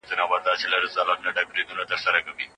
امنیت د ښه اقتصاد په شتون کي راځي.